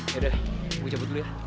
yaudah deh gue cabut dulu ya